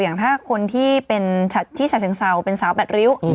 อย่างถ้าคนที่เป็นชาติเสียงเสาเป็นสาวแบตริ้ว